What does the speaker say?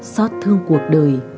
xót thương cuộc đời